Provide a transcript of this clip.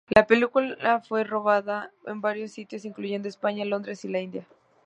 La película fue rodada en varios sitios incluyendo España, Londres y la India.